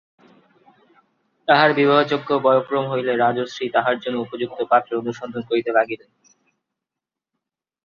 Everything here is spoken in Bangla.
তাঁহার বিবাহযোগ্য বয়ঃক্রম হইলে রাজর্ষি তাঁহার জন্য উপযুক্ত পাত্রের অনুসন্ধান করিতে লাগিলেন।